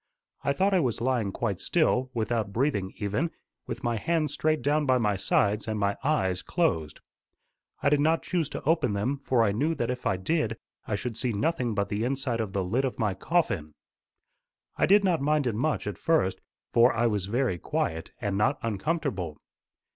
I thought I was lying quite still, without breathing even, with my hands straight down by my sides and my eyes closed. I did not choose to open them, for I knew that if I did I should see nothing but the inside of the lid of my coffin. I did not mind it much at first, for I was very quiet, and not uncomfortable.